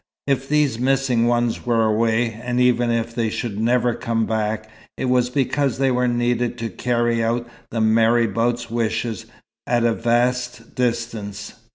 If these missing ones were away, and even if they should never come back, it was because they were needed to carry out the marabout's wishes, at a vast distance.